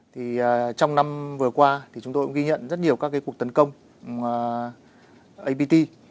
trong năm vừa qua thì chúng tôi cũng ghi nhận rất nhiều các cái cuộc tấn công apt